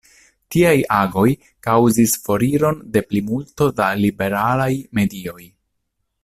Tiaj agoj kaŭzis foriron de plimulto da liberalaj medioj.